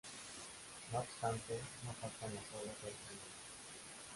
No obstante, no faltan las obras originales.